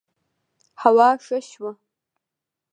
هوا ښه شوه